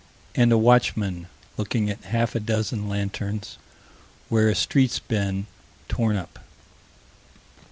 And a watchman looking at half a dozen lanterns, where a street's been torn up.